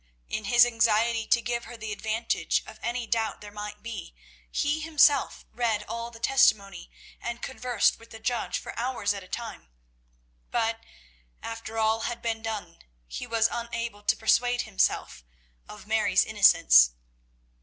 In his anxiety to give her the advantage of any doubt there might be, he himself read all the testimony and conversed with the judge for hours at a time, but, after all had been done, he was unable to persuade himself of Mary's innocence.